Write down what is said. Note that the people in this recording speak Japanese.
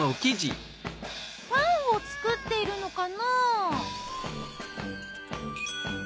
パンを作っているのかな？